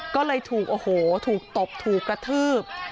ก็เลยถูกโอ้โหถูกตบถูกกระทืบ